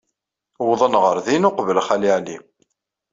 Uwḍen ɣer din uqbel Xali Ɛli.